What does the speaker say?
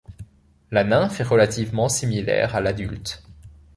La nymphe est relativement similaire à l'adulte.